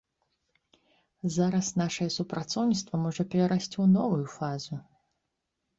Зараз нашае супрацоўніцтва можа перарасці ў новую фазу.